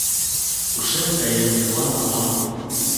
Ушем каен йӧрлам ала-мо...